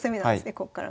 こっからが。